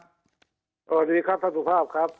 สวัสดีครับท่านสุภาพครับ